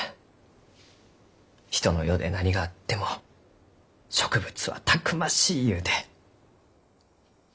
人の世で何があっても植物はたくましいゆうて。